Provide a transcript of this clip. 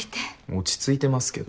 落ち着いてますけど？